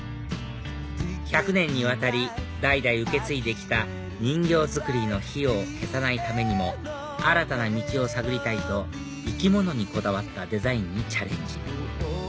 １００年にわたり代々受け継いできた人形作りの火を消さないためにも新たな道を探りたいと生き物にこだわったデザインにチャレンジ